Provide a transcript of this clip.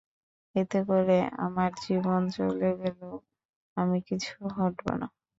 এতে করে আমার জীবন চলে গেলেও আমি পিছু হটবো না।